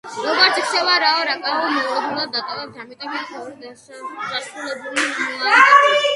როგორც ირკვევა, რანო-რარაკუ მოულოდნელად დაუტოვებიათ, ამიტომ, იქ ბევრი დაუსრულებელი მოაი დარჩა.